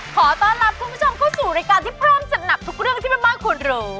ขอต้อนรับคุณผู้ชมเข้าสู่รายการที่พร้อมจัดหนักทุกเรื่องที่แม่บ้านควรรู้